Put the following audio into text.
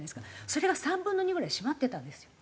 それが３分の２ぐらい閉まってたんですよ。